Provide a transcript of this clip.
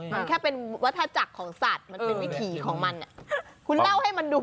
มันแค่เป็นวัฒนาจักรของสัตว์มันเป็นวิถีของมันอ่ะคุณเล่าให้มันดู